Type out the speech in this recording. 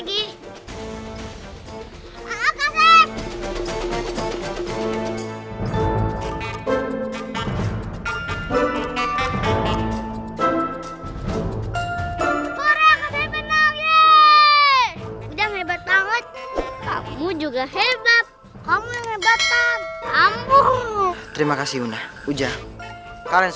ya aku lapar ya